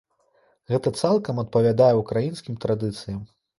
Гэта цалкам адпавядае ўкраінскім традыцыям.